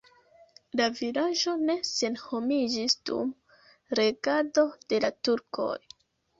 La vilaĝo ne senhomiĝis dum regado de la turkoj.